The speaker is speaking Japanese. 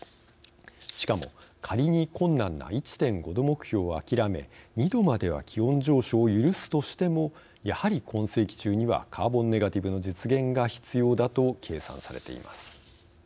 しかも、仮に困難な１．５℃目標を諦め２℃までは気温上昇を許すとしてもやはり今世紀中にはカーボンネガティブの実現が必要だと計算されています。